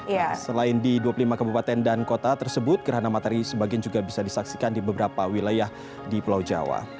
ya selain di dua puluh lima kabupaten dan kota tersebut gerhana matahari sebagian juga bisa disaksikan di beberapa wilayah di pulau jawa